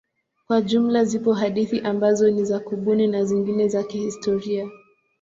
Kwa jumla zipo hadithi ambazo ni za kubuni na zingine za kihistoria.